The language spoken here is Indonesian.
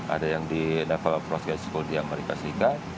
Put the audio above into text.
ada yang di naval cross gate school di amerika serikat